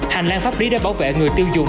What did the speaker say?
hành lang pháp lý để bảo vệ người tiêu dùng